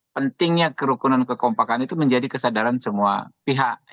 pentingnya kerukunan kekompakan itu menjadi kesadaran semua pihak